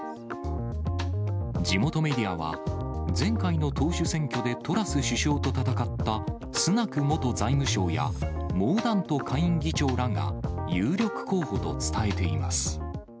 地元メディアは、前回の党首選挙でトラス首相と戦ったスナク元財務相や、モーダント下院議長らが有力候補と伝えています。